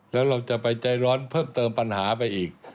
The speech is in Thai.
แล้วเราจะไปใจร้อนเพิ่มเติมปัญหาไปอีก